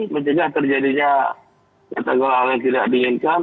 mencegah terjadinya kata kata hal yang tidak diinginkan